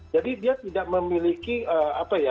jadi dia tidak memiliki apa ya